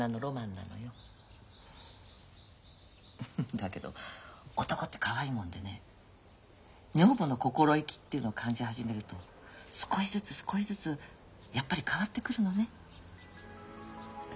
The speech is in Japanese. だけど男ってかわいいもんでね女房の心意気っていうのを感じ始めると少しずつ少しずつやっぱり変わってくるのね。